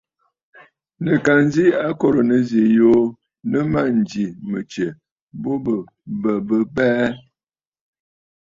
Nɨ̀ ka nzi akòrə̀ nɨzî yuu nɨ mânjì mɨ̀tsyɛ̀ bu bɨ bə̀ bɨ abɛɛ.